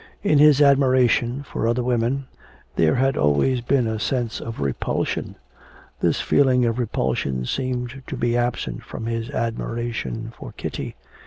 In his admiration for other women there had always been a sense of repulsion; this feeling of repulsion seemed to be absent from his admiration for Kitty....